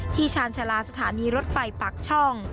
ชาญชาลาสถานีรถไฟปากช่อง